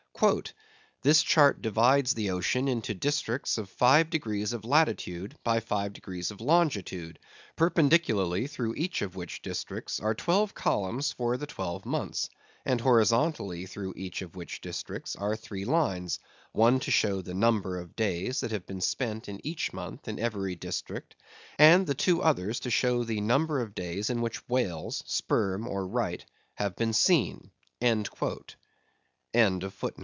"This chart divides the ocean into districts of five degrees of latitude by five degrees of longitude; perpendicularly through each of which districts are twelve columns for the twelve months; and horizontally through each of which districts are three lines; one to show the number of days that have been spent in each month in every district, and the two others to show the number of days in which whales, sperm or right, have been seen."